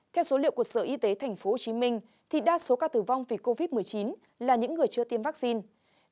theo số liệu của sở y tế tp hcm đa số ca tử vong vì covid một mươi chín là những người chưa tiêm vaccine